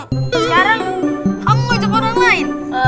terus sekarang kamu ajak orang lain